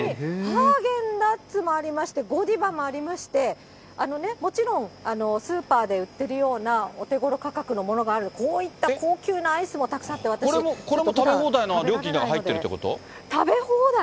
ハーゲンダッツもありまして、ゴディバもありまして、もちろん、スーパーで売ってるようなお手ごろ価格ものもある、こういった高級なアイスもたくさん、これも食べ放題の料金の中に食べ放題。